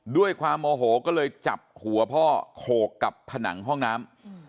ด้วยความโมโหก็เลยจับหัวพ่อโขกกับผนังห้องน้ำ